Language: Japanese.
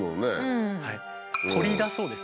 「鳥」だそうです。